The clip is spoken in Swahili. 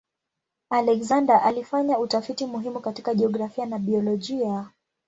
Alexander alifanya utafiti muhimu katika jiografia na biolojia.